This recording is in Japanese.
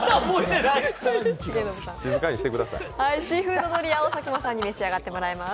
シーフードドリアを佐久間さんに召し上がっていただきます。